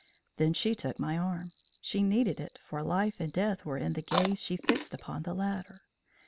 Then she took my arm. She needed it, for life and death were in the gaze she fixed upon the latter.